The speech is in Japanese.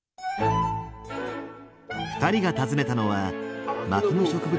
２人が訪ねたのは牧野植物